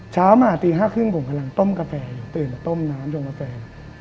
เช้ามาตีห้าครึ่งก่อนผมกำลังต้มกาแฟอยู่ตื่นว่าต้มน้ำจงกาแฟ